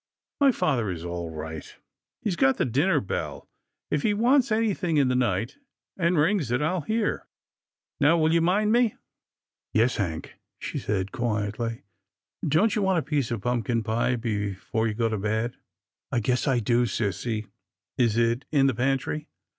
My father is all right. He's got the dinner bell. If he wants anything in the night, and rings it, I'll hear. Now will you mind me ?"" Yes, Hank," she said quietly. " Don't you want a piece of pumpkin pie before you go to bed ?"" I guess I do, sissy. Is it in the pantry?